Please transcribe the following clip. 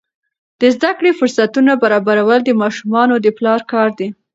د زده کړې فرصتونه برابرول د ماشومانو د پلار کار دی.